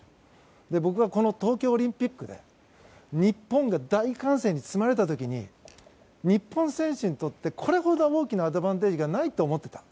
僕がこの東京オリンピックで日本が大歓声に包まれた時に日本選手にとってこれほど大きなアドバンテージがないと思っていた。